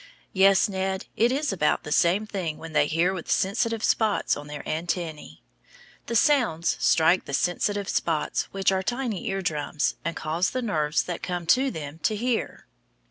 Yes, Ned, it is about the same thing when they hear with sensitive spots on their antennæ. The sounds strike the sensitive spots, which are tiny eardrums, and cause the nerves that come to them to hear.